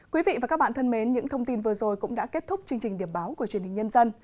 quý vị và các bạn thân mến những thông tin vừa rồi cũng đã kết thúc chương trình điểm báo của truyền hình nhân dân